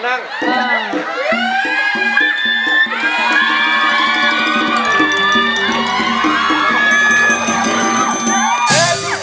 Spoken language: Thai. ลองเดิน